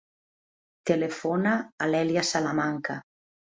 Telefona a l'Èlia Salamanca.